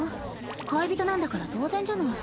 恋人なんだから当然じゃない。